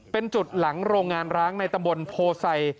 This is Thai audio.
เป็นจุดหลังโรงงานร้างในตำบลโพไซ